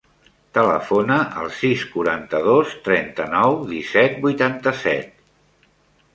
Telefona al sis, quaranta-dos, trenta-nou, disset, vuitanta-set.